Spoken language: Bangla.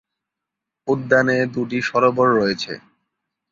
উদ্যানে দুটি সরোবর রয়েছে।